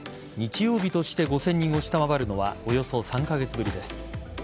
日曜日として５０００人を下回るのはおよそ３カ月ぶりです。